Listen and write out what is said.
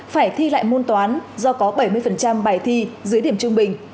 phải thi lại môn toán do có bảy mươi bài thi dưới điểm trung bình